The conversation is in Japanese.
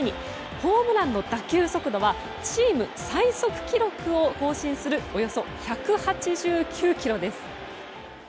ホームランの打球速度はチーム最速記録を更新するおよそ１８９キロです。